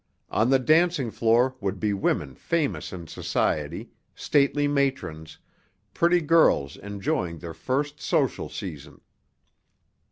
On the dancing floor would be women famous in society, stately matrons, pretty girls enjoying their first social season.